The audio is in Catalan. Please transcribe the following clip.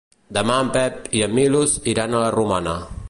Demà en Pep i en Milos iran a la Romana.